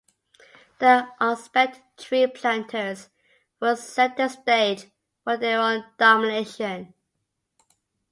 The unsuspecting tree-planters will set the stage for their own domination